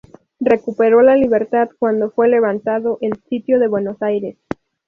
Recuperó la libertad cuando fue levantado el sitio de Buenos Aires.